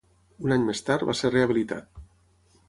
Un any més tard, va ser rehabilitat.